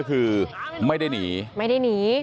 คือไม่ได้หนีไม่ได้หนี